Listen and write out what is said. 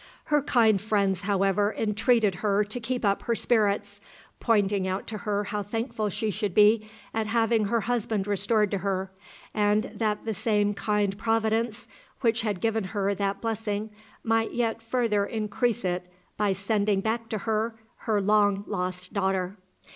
Her kind friends, however, entreated her to keep up her spirits, pointing out to her how thankful she should be at having her husband restored to her, and that the same kind Providence which had given her that blessing might yet further increase it by sending back to her her long lost daughter.